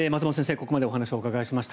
ここまでお話をお伺いしました。